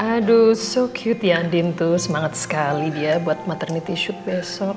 aduh so cute ya andin tuh semangat sekali dia buat maternity shoot besok